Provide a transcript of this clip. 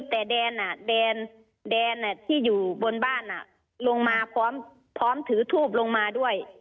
แต่แดนที่อยู่บนบ้านลงมาพร้อมถือทูบลงมาด้วย